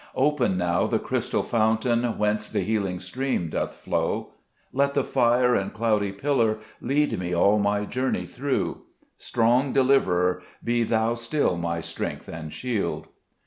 2 Open now the crystal fountain, Whence the healing stream doth flow ; Let the fire and cloudy pillar Lead me all my journey through : Strong Deliverer, Be Thou still my Strength and Shield.